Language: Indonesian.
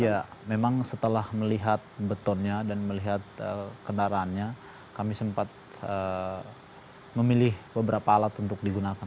ya memang setelah melihat betonnya dan melihat kendaraannya kami sempat memilih beberapa alat untuk digunakan